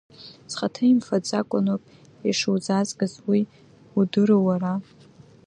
Схаҭа имфаӡакәаноуп ишузаазгаз, уи удыруоу уара?!